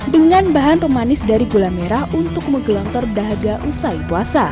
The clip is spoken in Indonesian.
dengan bahan pemanis dari gula merah untuk menggelontor dahaga usai puasa